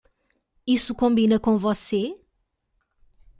Isso combina com você?